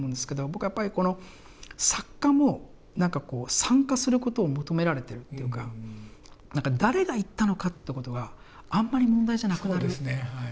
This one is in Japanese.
僕はやっぱり作家も参加することを求められているっていうか誰が言ったのかっていうことがあんまり問題じゃなくなる。